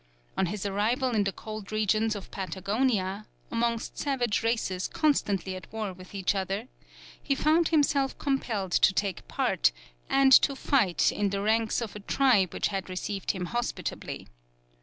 On his arrival in the cold regions of Patagonia, amongst savage races constantly at war with each other, he found himself compelled to take part, and to fight in the ranks of a tribe which had received him hospitably.